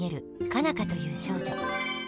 佳奈花という少女。